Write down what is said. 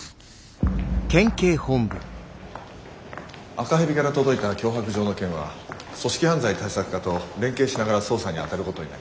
赤蛇から届いた脅迫状の件は組織犯罪対策課と連携しながら捜査に当たることになります。